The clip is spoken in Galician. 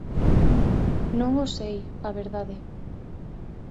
Non o sei, a verdade.